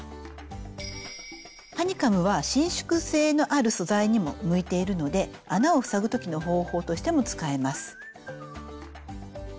ハニカムは伸縮性のある素材にも向いているので穴を塞ぐ時の方法としても使えます。